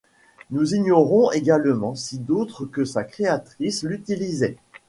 Nous ignorons également si d'autres que sa créatrice l'utilisaient.